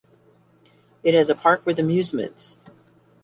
It has a park with amusements.